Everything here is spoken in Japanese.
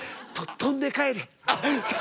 飛んで帰れ。